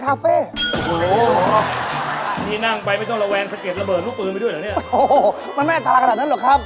โอ้โหมันไม่อาจารย์ขนาดนั้นหรอกครับ